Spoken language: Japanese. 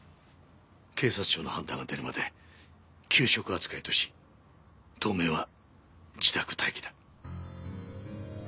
警察庁の判断が出るまで休職扱いとし当面は自宅待機だ。